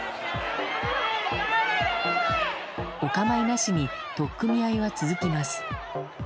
お構いなしに取っ組み合いは続きます。